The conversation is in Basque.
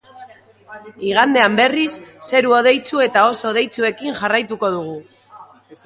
Igandean, berriz, zeru hodeitsu eta oso hodeitsuekin jarraituko dugu.